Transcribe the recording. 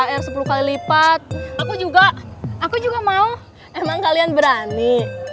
emang kalian berani